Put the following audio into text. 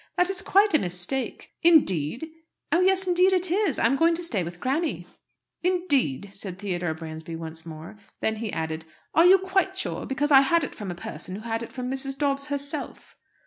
"That is quite a mistake." "Indeed!" "Oh yes, indeed it is. I'm going to stay with granny." "Indeed!" said Theodore Bransby once more. Then he added, "Are you quite sure? Because I had it from a person who had it from Mrs. Dobbs herself."